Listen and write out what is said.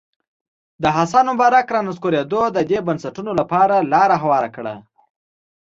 د حسن مبارک رانسکورېدو د دې بنسټونو لپاره لاره هواره کړه.